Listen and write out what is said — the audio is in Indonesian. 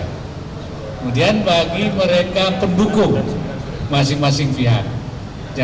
untuk tidak melakukan hal hal yang berbeda